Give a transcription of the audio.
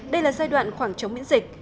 đây là giai đoạn khoảng chống miễn dịch